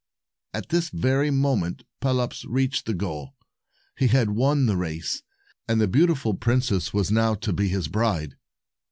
At this very moment, Pelops reached the goal. He had won the race, and the beautiful princess was now to be his bride.